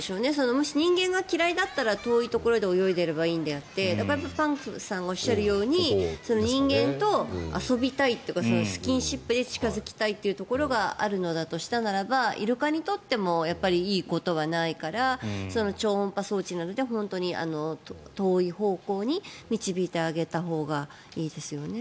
もし人間が嫌いだったら遠いところで泳いでいればいいのであってパンクさんがおっしゃるように人間と遊びたいというかスキンシップで近付きたいというところがあるのだとしたならばイルカにとってもいいことはないから超音波装置などで遠い方向に導いてあげたほうがいいですよね。